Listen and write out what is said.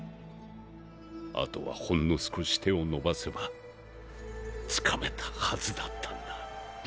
あとはほんの少し手を伸ばせばつかめたはずだったんだ。